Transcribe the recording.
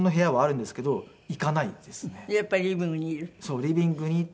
リビングにいて。